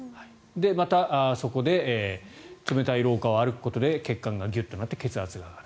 またそこで冷たい廊下を歩くことで血管がギュッとなって血圧が上がる。